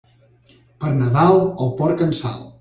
Per Nadal, el porc en sal.